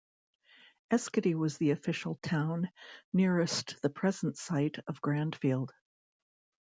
Eschiti was the official town nearest the present site of Grandfield.